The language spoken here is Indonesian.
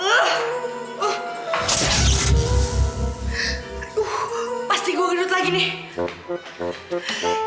aduh pasti gue ngedut lagi nih